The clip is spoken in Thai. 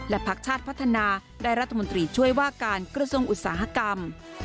พักชาติพัฒนาได้รัฐมนตรีช่วยว่าการกระทรวงอุตสาหกรรม